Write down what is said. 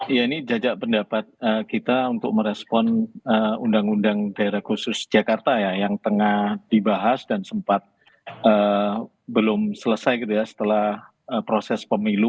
iya ini jajak pendapat kita untuk merespon undang undang daerah khusus jakarta ya yang tengah dibahas dan sempat belum selesai gitu ya setelah proses pemilu